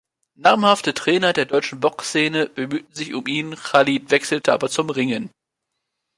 Namhafte Trainer der deutschen Box-Szene bemühten sich um ihn, Chalid wechselte aber zum Ringen.